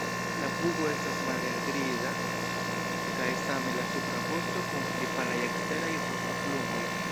La pugo estas malhelgriza kaj same la supra vosto kun pli palaj eksteraj vostoplumoj.